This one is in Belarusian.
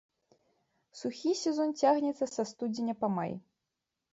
Сухі сезон цягнецца са студзеня па май.